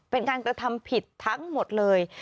เป็นการกระทำผิดทั้งหมดเลย